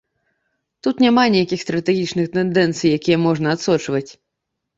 Тут няма нейкіх стратэгічных тэндэнцый, якія можна адсочваць.